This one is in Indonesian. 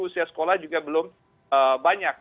usia sekolah juga belum banyak